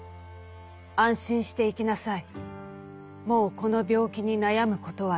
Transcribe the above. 安心して行きなさい。